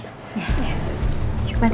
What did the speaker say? terima kasih pak riki